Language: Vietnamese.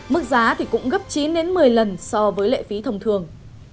mức giá thì cũng gấp chín đến một mươi lần so với lệ phí thông thường